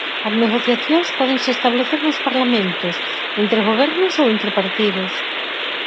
As negociacións pódense establecer nos parlamentos, entre gobernos ou entre partidos.